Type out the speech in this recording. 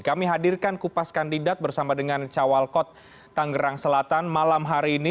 kami hadirkan kupas kandidat bersama dengan cawalkot tanggerang selatan malam hari ini